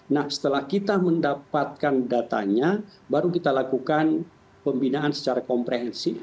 nah setelah kita mendapatkan datanya baru kita lakukan pembinaan secara komprehensif